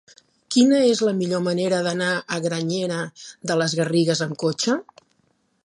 Quina és la millor manera d'anar a Granyena de les Garrigues amb cotxe?